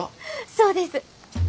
そうです！